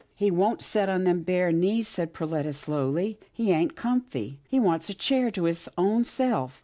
" He won't set on them bare knees," said Per letta slowly, " he ain't comfy. He wants a chair to his own self."